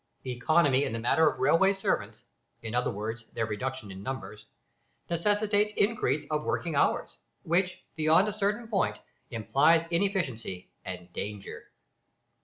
Economy in the matter of railway servants in other words, their reduction in numbers necessitates increase of working hours, which, beyond a certain point, implies inefficiency and danger.